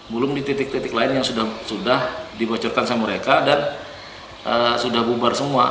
belum di titik titik lain yang sudah dibocorkan sama mereka dan sudah bubar semua